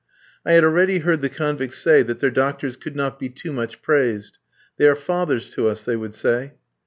I had already heard the convicts say that their doctors could not be too much praised. "They are fathers to us," they would say.